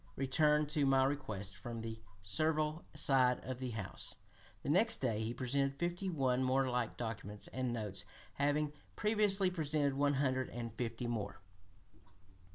returned to my request from the servile side of the House." The next day he presented fifty one more like documents, and notes having previously presented one hundred and fifty more.